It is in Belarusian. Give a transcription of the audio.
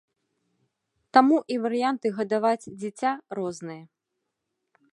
Таму і варыянты гадаваць дзіця розныя.